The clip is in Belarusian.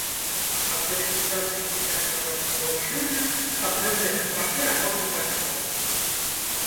А для рэгістрацыі дзіцяці, народжанага ў шлюбе, патрэбныя пашпарты абодвух бацькоў.